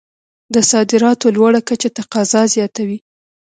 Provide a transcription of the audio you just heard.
د صادراتو لوړه کچه تقاضا زیاتوي.